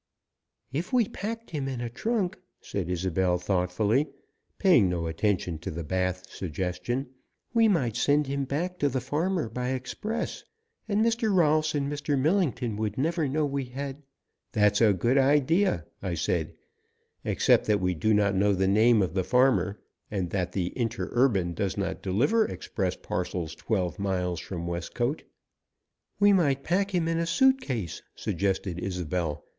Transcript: "If we packed him in a trunk," said Isobel thoughtfully, paying no attention to the bath suggestion, "we might send him back to the farmer by express, and Mr. Rolfs and Mr. Millington would never know we had " "That is a good idea," I said, "except that we do not know the name of the farmer, and that the Interurban does not deliver express parcels twelve miles from Westcote " "We might pack him in a suit case," suggested Isobel.